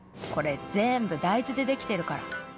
これ全部大豆でできてるから。